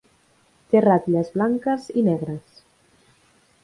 Té ratlles blanques i negres.